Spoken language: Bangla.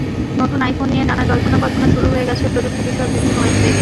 নতুন আইফোন নিয়ে নানা জল্পনা-কল্পনা শুরু হয়ে গেছে প্রযুক্তি বিষয়ক বিভিন্ন ওয়েবসাইটে।